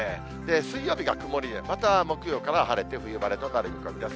水曜日が曇りで、また木曜からは晴れて冬晴れとなる見込みです。